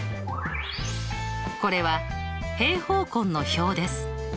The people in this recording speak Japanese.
これは平方根の表です。